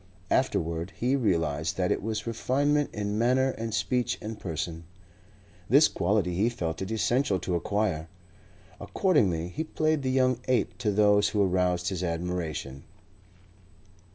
Afterward he realized that it was refinement in manner and speech and person. This quality he felt it essential to acquire. Accordingly he played the young ape to those who aroused his admiration.